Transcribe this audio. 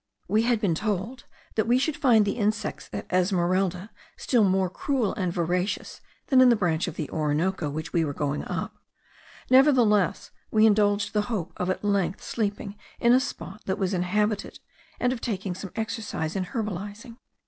We had been told, that we should find the insects at Esmeralda still more cruel and voracious than in the branch of the Orinoco which we were going up; nevertheless we indulged the hope of at length sleeping in a spot that was inhabited, and of taking some exercise in herbalizing.